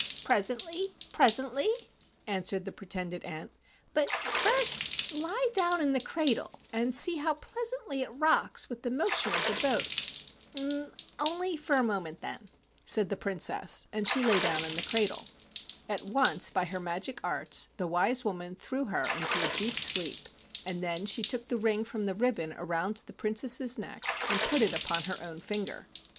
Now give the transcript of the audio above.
"Presently! Presently!" answered the pre¬ tended aunt. "But first lie down in the cradle and see how pleasantly it rocks with the motion of the boat." "Only for a moment, then," said the Prin¬ cess, and she lay down in the cradle. At once, by her magic arts, the wise woman threw her into a deep sleep and she then took the ring from the ribbon around the Princess' neck and put it upon her own finger.